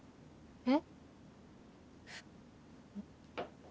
えっ？